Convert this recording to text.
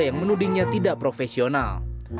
yang menudingnya tidak profesional